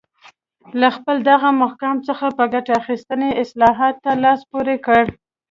له خپل دغه مقام څخه په ګټې اخیستنې اصلاحاتو ته لاس پورې کړ